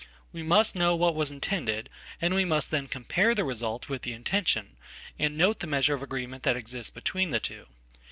We must know what was intended, and we must then compare the resultwith the intention, and note the measure of agreement that existsbetween the two.